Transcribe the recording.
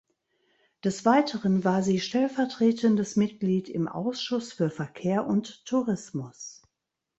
Des Weiteren war sie stellvertretendes Mitglied im Ausschuss für Verkehr und Tourismus.